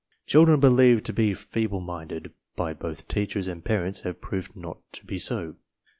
Children believed to be fee ble minded by both teachers and parents have proved not to be so.